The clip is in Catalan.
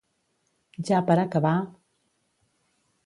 Ja per acabar…